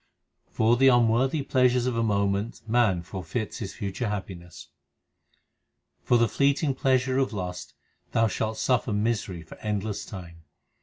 For the unworthy pleasures of a moment man forfeits his future happiness : For the fleeting pleasure of lust, thou shalt suffer misery for endless time.